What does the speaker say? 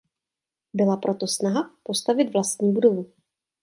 Byla proto snaha postavit vlastní budovu.